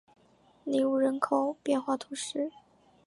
内乌人口变化图示